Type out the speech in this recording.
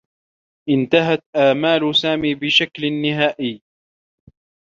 انتهت آمال سامي بشكل نهائيّ.